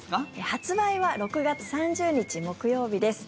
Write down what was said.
発売は６月３０日、木曜日です。